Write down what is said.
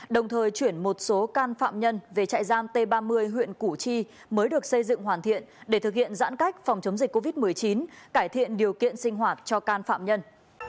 đồng thời chuyển một số can phạm nhân về trại giam t ba mươi huyện củ chi mới được xây dựng hoàn thiện để thực hiện giãn cách phòng chống dịch covid một mươi chín cải thiện điều kiện sinh hoạt cho can phạm nhân